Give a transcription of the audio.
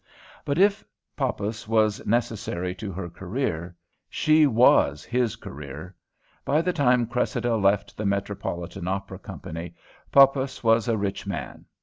But if Poppas was necessary to her career, she was his career. By the time Cressida left the Metropolitan Opera Company, Poppas was a rich man.